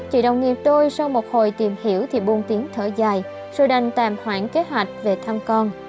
chị đồng nghiệp tôi sau một hồi tìm hiểu thì buông tiếng thở dài rồi đành tạm hoãn kế hoạch về thăm con